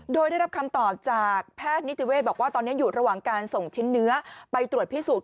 โดยได้รับคำตอบจากแพทย์นิติเวศบอกว่าตอนนี้อยู่ระหว่างการส่งชิ้นเนื้อไปตรวจพิสูจน